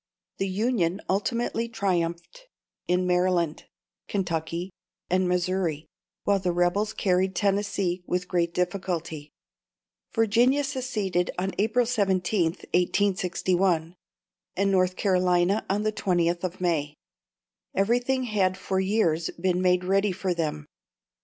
The Union ultimately triumphed in Maryland, Kentucky, and Missouri, while the rebels carried Tennessee with great difficulty. Virginia seceded on April 17th, 1861, and North Carolina on the 20th of May. Everything had for years been made ready for them.